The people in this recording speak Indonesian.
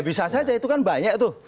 bisa saja itu kan banyak tuh